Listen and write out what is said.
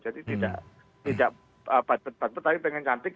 jadi tidak batet batet tapi pengen cantik